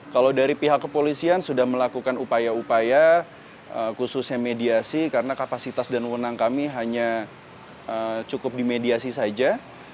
kalau dari pihak kepolisian sudah melakukan upaya upaya khususnya mediasi karena kapasitas dan wenang kami hanya cukup dimediasi saja